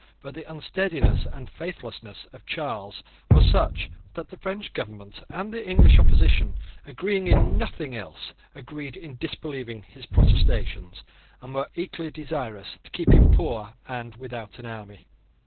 But the unsteadiness and faithlessness of Charles were such that the French Government and the English opposition, agreeing in nothing else, agreed in disbelieving his protestations, and were equally desirous to keep him poor and without an army.